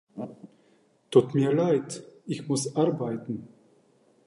Tut mir leid, ich muss arbeiten.